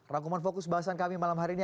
rangkuman fokus bahasan kami malam hari ini